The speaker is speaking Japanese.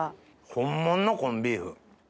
本もんのコンビーフ。